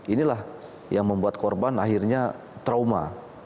inilah yang membuat korban akhirnya trauma